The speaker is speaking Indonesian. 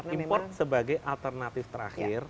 import sebagai alternatif terakhir